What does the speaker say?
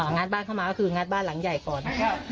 งัดบ้านเข้ามาก็คืองัดบ้านหลังใหญ่ก่อน